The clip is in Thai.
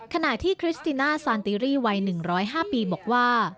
ขณะที่คริสติน่าซานติรี่วัย๑๐๕ปีบอกว่า